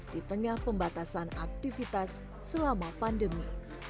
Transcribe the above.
di tengah pembatasan aktivitas selama pandemi